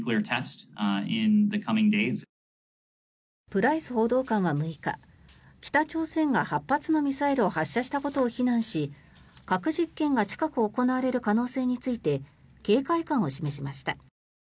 プライス報道官は６日北朝鮮が８発のミサイルを発射したことを非難し、核実験が近く行われる可能性について警戒感を示しました。